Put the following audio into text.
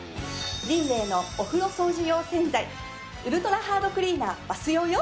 リンレイのお風呂掃除用洗剤ウルトラハードクリーナーバス用よ。